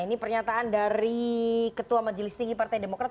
ini pernyataan dari ketua majelis tinggi partai demokrat